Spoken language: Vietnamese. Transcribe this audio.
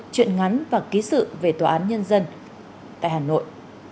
chuyện ngắn và ký sự về tòa án nhân dân tại hà nội